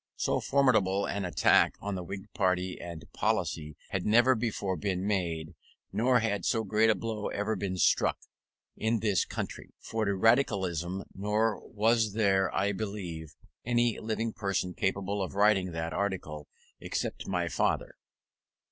So formidable an attack on the Whig party and policy had never before been made; nor had so great a blow ever been struck, in this country, for Radicalism; nor was there, I believe, any living person capable of writing that article except my father.